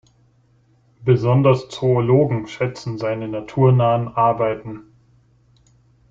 Besonders Zoologen schätzten seine naturnahen Arbeiten.